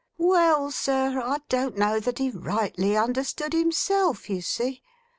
'Well, sir, I don't know that he rightly understood himself, you see.